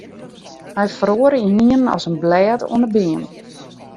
Hy feroare ynienen as in blêd oan 'e beam.